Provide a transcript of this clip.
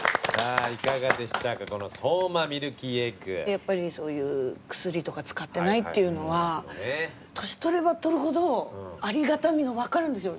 やっぱりそういう薬とか使ってないっていうのは年取れば取るほどありがたみが分かるんですよね。